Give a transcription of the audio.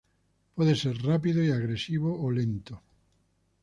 Puede ser rápido y agresivo o lento.